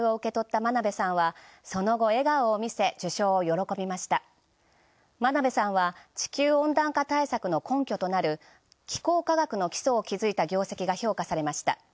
真鍋さんは地球温暖化対策の根拠となる気候化学の基礎を築いた業績が評価されました。